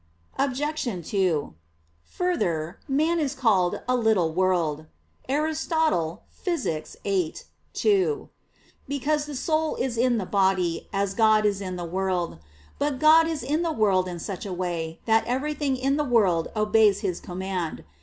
Obj. 2: Further, man is called a "little world" [*Aristotle, Phys. viii. 2], because the soul is in the body, as God is in the world. But God is in the world in such a way, that everything in the world obeys His command.